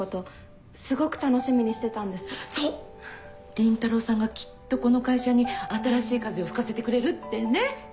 倫太郎さんがきっとこの会社に新しい風を吹かせてくれるってね。